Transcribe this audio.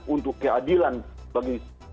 untuk keadilan bagi sekepola